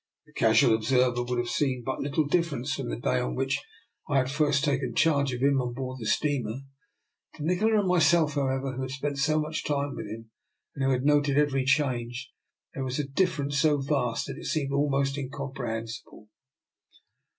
The casual observer would have seen but little difference from the day on which I had first taken charge of him on board the steamer. To Nikola and myself, however, who had spent so much time with him, and who had noted every change, there was a dif ference so vast that it seemed almost incom prehensible.